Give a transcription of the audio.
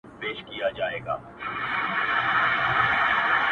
o او د بت سترگي يې ښې ور اب پاشي کړې،